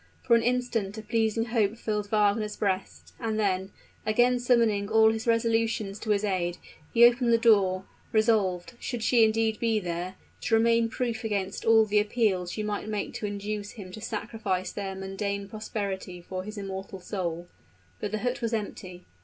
For an instant a pleasing hope filled Wagner's breast; and then, again summoning all his resolutions to his aid, he opened the door, resolved, should she indeed be there, to remain proof against all the appeals she might make to induce him to sacrifice to their mundane prosperity his immortal soul. But the hut was empty.